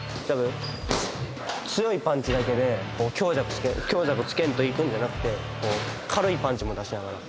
強いパンチだけで強弱つけんと強弱をつけんといくんじゃなくて軽いパンチも出しながら。